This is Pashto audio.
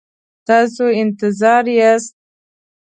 تاسو انتظار یاست؟